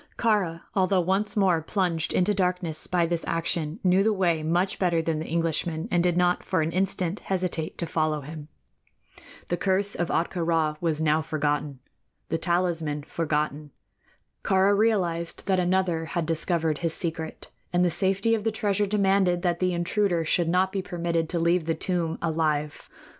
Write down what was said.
Kāra, although once more plunged into darkness by this action, knew the way much better than the Englishman, and did not for an instant hesitate to follow him. The curse of Ahtka Rā was now forgotten the talisman forgotten. Kāra realized that another had discovered his secret, and the safety of the treasure demanded that the intruder should not be permitted to leave the tomb alive.